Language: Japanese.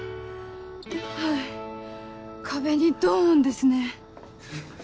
はい壁にドン！ですね。